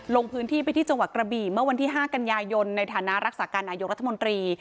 ลงพื้นที่ไปที่จังหวัดกระบี่เมื่อวันที่๕กันยายนในฐานะรักษาการนายกรัฐมนตรี